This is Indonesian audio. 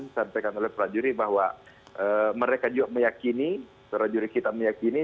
disampaikan oleh prajurit bahwa mereka juga meyakini prajurit kita meyakini